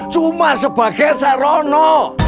cuma sebagai serono